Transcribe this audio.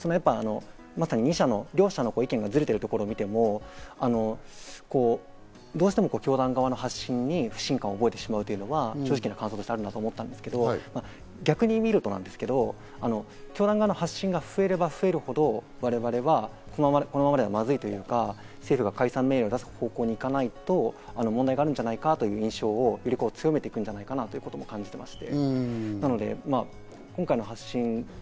まさに両者の意見がズレているところを見てもどうしても教団側の発信に不信感を覚えてしまうというのがあるなと感じたんですけど、逆に見るとなんですけど、教団側の発信が増えれば増えるほど、我々はこのままではまずいというか、政府が解散命令を出す方向に行かないと、問題があるんじゃないかという印象をより強めていくんじゃないかなとも感じまして、